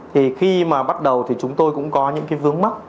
thì khi mà bắt đầu thì chúng tôi cũng có những cái vướng mắt